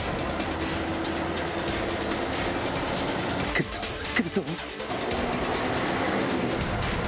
来るぞ来るぞ！